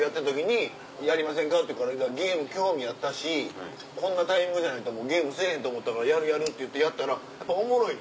言うからゲーム興味あったしこんなタイミングじゃないとゲームせぇへんと思ったからやるやるって言ってやったらやっぱおもろいの。